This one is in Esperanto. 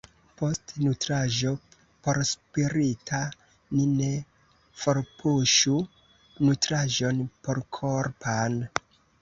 Post nutraĵo porspirita ni ne forpuŝu nutraĵon porkorpan.